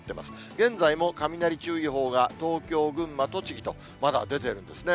現在も雷注意報が東京、群馬、栃木と、まだ出ているんですね。